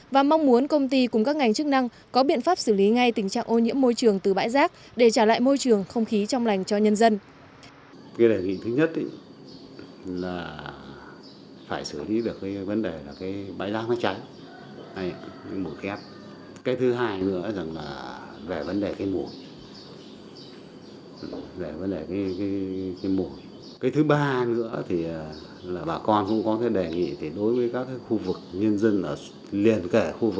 và mong muốn công ty đưa ra một cuộc sống tốt đẹp